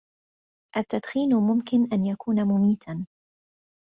التدخين ممكن أن يكون مميتاً.